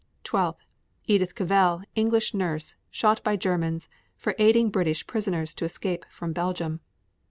12. Edith Cavell, English nurse, shot by Germans for aiding British prisoners to escape from Belgium.